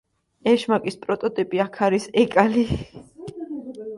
ეშმაკის პროტოტიპი აქ არის ეკალი.